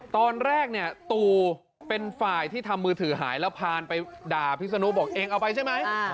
ตอนแรกเนี่ยตู่เป็นฝ่ายที่ทำมือถือหายแล้วพานไปด่าพิษนุบอกเองเอาไปใช่ไหม